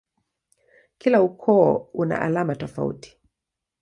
Kila ukoo una alama tofauti.